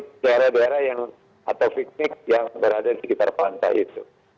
di daerah daerah yang atau fiknik yang berada di sekitar pantai itu